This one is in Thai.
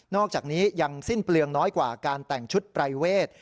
อกจากนี้ยังสิ้นเปลืองน้อยกว่าการแต่งชุดปรายเวท